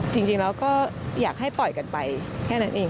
จริงแล้วก็อยากให้ปล่อยกันไปแค่นั้นเอง